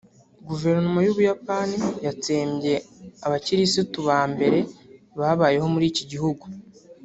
Guverinoma y’ubuyapani yatsembye abakirisitu ba mbere babayeho muri iki gihugu